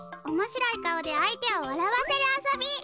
おもしろい顔で相手をわらわせる遊び！